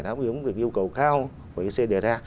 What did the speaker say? đáp ứng cái yêu cầu cao của ec đề ra